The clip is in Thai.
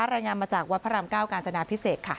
รายงานมาจากวัดพระรามเก้ากาญจนาพิเศษค่ะ